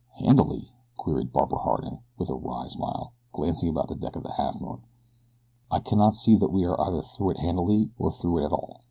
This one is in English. "Handily?" queried Barbara Harding, with a wry smile, glancing about the deck of the Halfmoon. "I cannot see that we are either through it handily or through it at all.